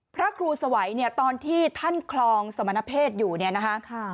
พระครูสวัยเนี่ยตอนที่ท่านคลองสมณเพศอยู่เนี่ยนะคะ